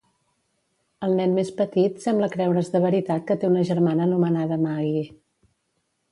El nen més petit sembla creure's de veritat que té una germana anomenada Maggie.